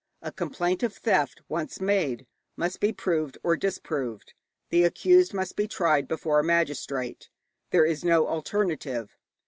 A complaint of theft once made must be proved or disproved; the accused must be tried before a magistrate. There is no alternative.